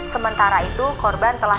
sementara itu korban telah